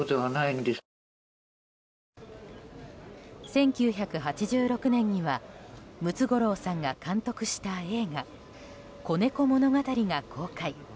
１９８６年にはムツゴロウさんが監督した映画「子猫物語」が公開。